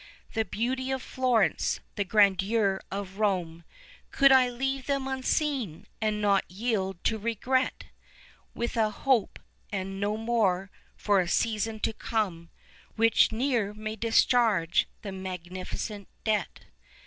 The beauty of Florence, the grandeur of Rome, Could I leave them unseen, and not yield to regret? With a hope (and no more) for a season to come, 11 Which ne'er may discharge the magnificent debt?